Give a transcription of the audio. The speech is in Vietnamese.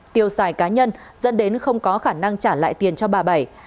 tiêu xài cá nhân dẫn đến không có khả năng trả lại tiền cho bà bảy